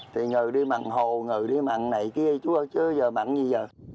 thì ngừ đi mặn hồ ngừ đi mặn này kia chứ bây giờ mặn gì giờ